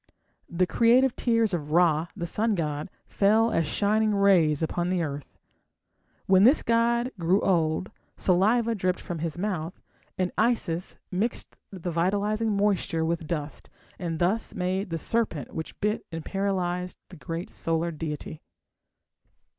The creative tears of Ra, the sun god, fell as shining rays upon the earth. When this god grew old saliva dripped from his mouth, and Isis mixed the vitalizing moisture with dust, and thus made the serpent which bit and paralysed the great solar deity.